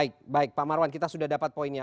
baik baik pak marwan kita sudah dapat poinnya